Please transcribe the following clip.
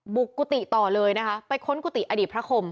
กุฏิต่อเลยนะคะไปค้นกุฏิอดีตพระคม